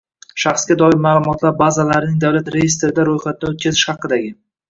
Shaxsga doir ma’lumotlar bazalarining davlat reyestrida ro‘yxatdan o‘tkazish haqidagi